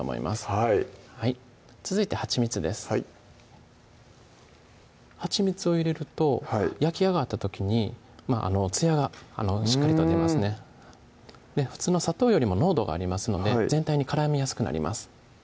はい続いてはちみつですはちみつを入れると焼き上がった時につやがしっかりと出ますねうん普通の砂糖よりも濃度がありますので全体に絡みやすくなります